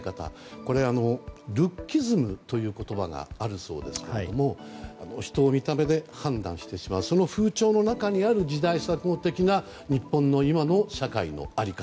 これルッキズムという言葉があるそうですが人を見た目で判断してしまうその風潮の中にある時代錯誤的な日本の今の社会の在り方。